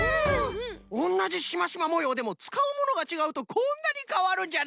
おんなじシマシマもようでもつかうものがちがうとこんなにかわるんじゃな。